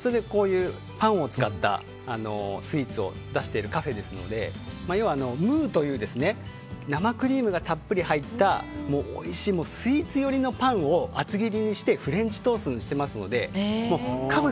それでこういうパンを使ったスイーツを出しているカフェですので要は生クリームがたっぷり入ったおいしいスイーツ寄りのパンを厚切りにしてフレンチトーストにしてるのでかむ